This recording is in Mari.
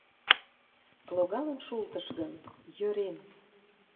Логалын шултыш гын, йӧрен...